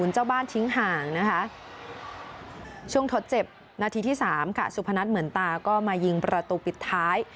เจ้าบ้านทิ้งห่างนะคะช่วงทดเจ็บนาทีที่๓ค่ะสุพนัทเหมือนตาก็มายิงประตูปิดท้าย